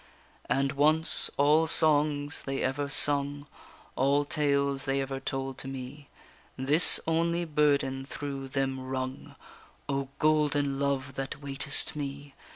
And once, all songs they ever sung, All tales they ever told to me, This only burden through them rung: _O golden love that waitest me!